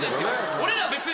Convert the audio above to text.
俺ら別に。